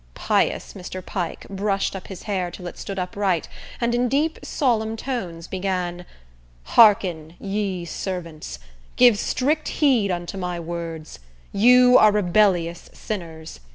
Pious Mr. Pike brushed up his hair till it stood upright, and, in deep, solemn tones, began: "Hearken, ye servants! Give strict heed unto my words. You are rebellious sinners.